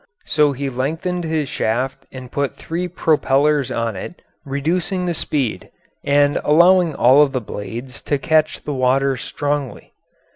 So he lengthened his shaft and put three propellers on it, reducing the speed, and allowing all of the blades to catch the water strongly.